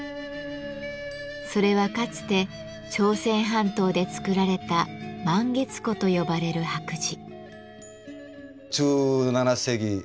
それはかつて朝鮮半島で作られた「満月壺」と呼ばれる白磁。